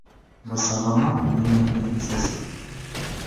Бысағымамы миңә уның сәсе?